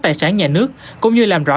tài sản nhà nước cũng như làm rõ